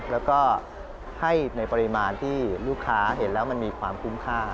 แล้วก็ให้ในปริมาณที่ลูกค้าเห็นแล้วมันมีความคุ้มค่า